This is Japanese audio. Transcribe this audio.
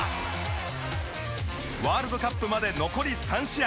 ワールドカップまで残り３試合。